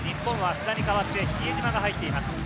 須田に代わって比江島が入っています。